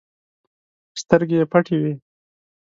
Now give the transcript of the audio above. سترګې يې پټې وې.